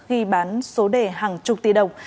ghi bán số đề hàng chục tỷ đồng